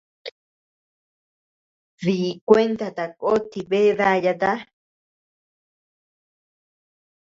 Di kuenta tako ti bea dayata.